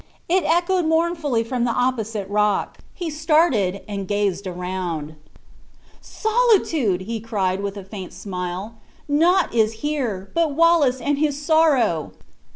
It echoed mournfully from the opposite rock. He started and gazed around. "Solitude!" cried he, with a faint smile; "naught is here, but Wallace and his sorrow.